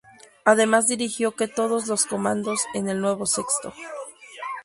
Además dirigió que todos los comandos en el nuevo sexto.